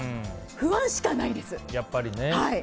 不安しかないです。